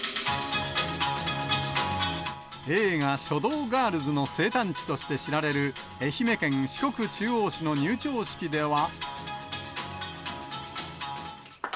映画、書道ガールズ！の生誕地として知られる、愛媛県四国中央市の入庁式では。